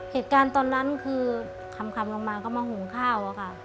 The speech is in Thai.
เหตุการณ์ตอนนั้นคือคำลงมาก็มาหุงข้าวอะค่ะ